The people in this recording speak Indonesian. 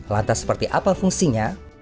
lantas seperti apa fungsinya